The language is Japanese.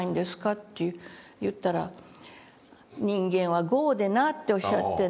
って言ったら「人間は業でな」っておっしゃってね。